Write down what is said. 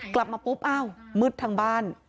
กลับมาปุ๊บอ้าวมืดทั้งบ้าน